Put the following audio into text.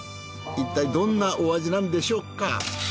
いったいどんなお味なんでしょうか？